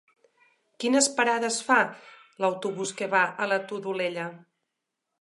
Quines parades fa l'autobús que va a la Todolella?